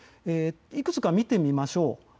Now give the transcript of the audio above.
いくつか見てみましょう。